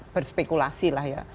berspekulasi lah ya